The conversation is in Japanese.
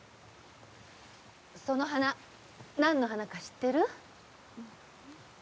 その花何の花か知ってる？